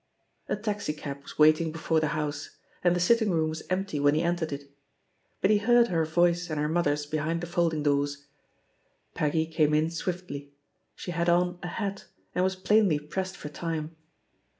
A taxi cab was waiting before the house, and the sitting room was empty when he entered it. But he heard her voice and her mother's behind the folding doors. Peggy came in swiftly. She had on a hat, and was plainly pressed for time.